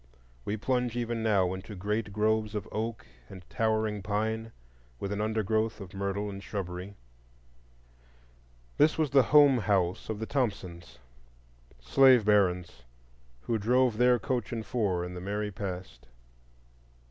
We plunge even now into great groves of oak and towering pine, with an undergrowth of myrtle and shrubbery. This was the "home house" of the Thompsons,—slave barons who drove their coach and four in the merry past.